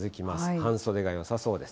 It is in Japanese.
半袖がよさそうです。